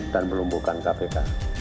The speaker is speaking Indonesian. dan melumbuhkan kpk